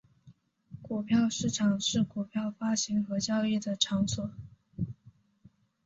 股票市场是股票发行和交易的场所。